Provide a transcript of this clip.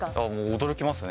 驚きますね。